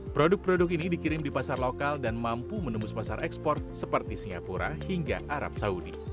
produk produk ini dikirim di pasar lokal dan mampu menembus pasar ekspor seperti singapura hingga arab saudi